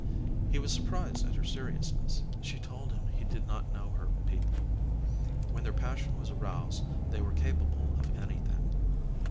He was surprised at her seriousness. She told him he did not know her people. When their passion was aroused they were capable of anything.